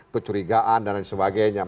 kecurigaan dan lain sebagainya